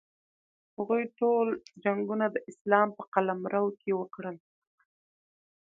هغوی ټول جنګونه د اسلام په قلمرو کې وکړل.